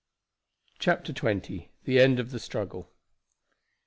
CHAPTER XX. THE END OF THE STRUGGLE.